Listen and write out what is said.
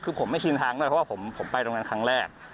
คือผมไม่ชินทางด้วยเพราะว่าผมไปตรงนั้นครั้งแรก